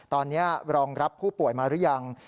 ตอนนี้รองรับผู้ป่วยมาหรือยัง